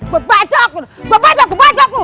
gua pacok gua pacok gua pacok lu